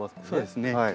そうですね。